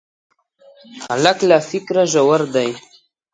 هلک له فکره ژور دی.